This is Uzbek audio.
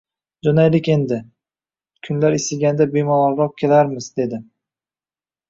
— Jo‘naylik endi. Kunlar isiganda bemalolroq kelarmiz, — dedi.